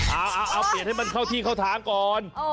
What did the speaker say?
เอาเปลี่ยนให้มันเข้าที่เข้าทางก่อน